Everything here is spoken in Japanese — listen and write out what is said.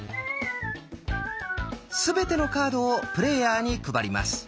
全てのカードをプレーヤーに配ります。